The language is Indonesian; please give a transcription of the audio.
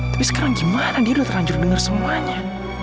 tapi sekarang gimana dia udah terlanjur denger semuanya